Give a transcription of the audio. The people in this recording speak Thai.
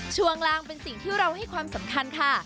กลางเป็นสิ่งที่เราให้ความสำคัญค่ะ